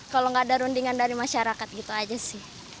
kalau nggak ada rundingan dari masyarakat gitu aja sih